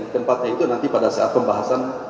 tempatnya itu nanti pada saat pembahasan